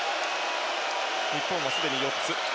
日本は、すでに４つ。